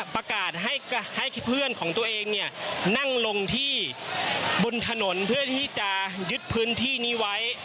ประกาศให้เพื่อนของตัวเองเนี่ยนั่งลงที่บนถนนเพื่อที่จะยึดพื้นที่นี้ไว้